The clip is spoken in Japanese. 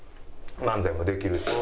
漫才もできるし。